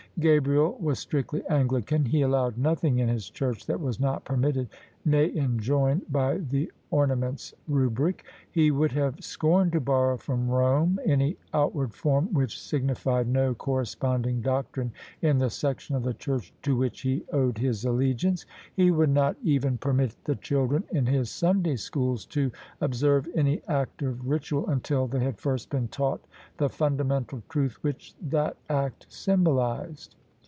Gabriel was strictly Anglican : he allowed nothing in his church that was not permitted — nay enjoined — ^by the Ornaments Rubric. He would have scorned to borrow from Rome any outward form which signified no corresponding doctrine in the section of the Church to which he owed his allegiance : he would not even THE SUBJECTION permit the chfldren in his Sunday schools to observe any act of ritual until they had first been taught the fundamental truth which that act symbolised.